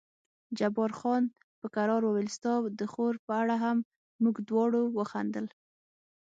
جبار خان په کرار وویل ستا د خور په اړه هم، موږ دواړو وخندل.